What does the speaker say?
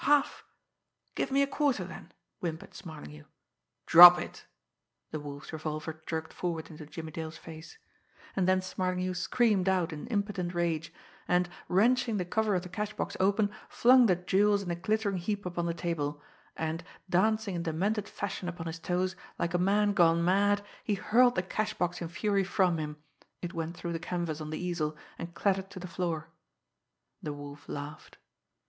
"Half give me a quarter then?" whimpered Smarlinghue. "Drop it!" The Wolf's revolver jerked forward into Jimmie Dale's face. And then Smarlinghue screamed out in impotent rage, and, wrenching the cover of the cash box open, flung the jewels in a glittering heap upon the table and, dancing in demented fashion upon his toes, like a man gone mad, he hurled the cash box in fury from him. It went through the canvas on the easel, and clattered to the floor. The Wolf laughed.